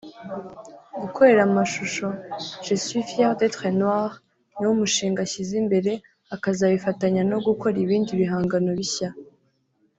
Gukorera amashusho ‘Je Suis fier d’etre noir’niwo mushinga ashyize imbere akazabifatanya no gukora ibindi bihangano bishya